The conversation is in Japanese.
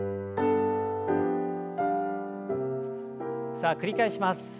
さあ繰り返します。